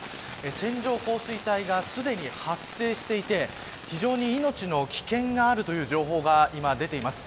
線状降水帯がすでに発生していて非常に命の危険があるという情報が今出ています。